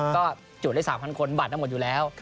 ก็จูดได้๓๐๐คนบัตรนั้นหมดอยู่แล้ว